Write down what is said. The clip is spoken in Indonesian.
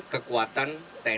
kekuatan tni satir